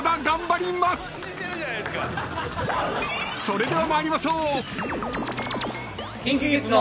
［それでは参りましょう！］